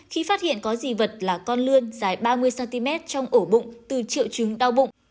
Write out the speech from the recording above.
khi phát hiện có dị vật là con lươn dài ba mươi cm trong ổ bụng từ triệu chứng đau bụng